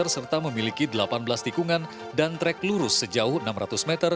serta memiliki delapan belas tikungan dan trek lurus sejauh enam ratus meter